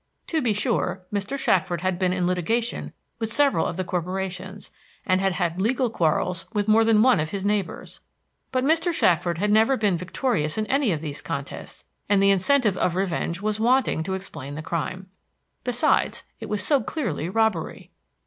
To be sure, Mr. Shackford had been in litigation with several of the corporations, and had had legal quarrels with more than one of his neighbors; but Mr. Shackford had never been victorious in any of these contests, and the incentive of revenge was wanting to explain the crime. Besides, it was so clearly robbery.